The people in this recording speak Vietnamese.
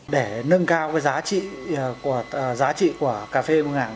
để nâng cao giá trị của cà phê mường ảng